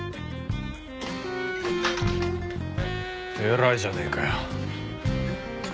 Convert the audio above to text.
偉いじゃねえかよ。